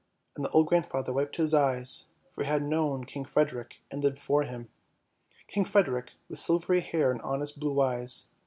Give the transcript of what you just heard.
And the old grandfather wiped his eyes, tor he had known King Frederick and lived for him, King Frederick with silvery hair and honest blue eyes.